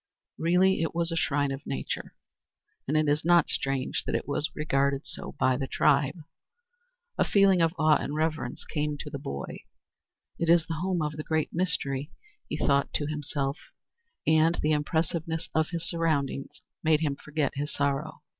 Really it was a shrine of nature, and it is not strange that it was so regarded by the tribe. A feeling of awe and reverence came to the boy. "It is the home of the Great Mystery," he thought to himself; and the impressiveness of his surroundings made him forget his sorrow.